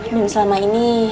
dan selama ini